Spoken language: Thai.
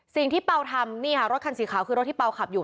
เป่าทำนี่ค่ะรถคันสีขาวคือรถที่เปล่าขับอยู่